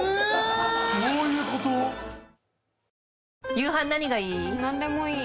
夕飯何がいい？